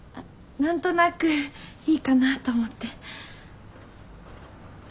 何となくいいかなと思って。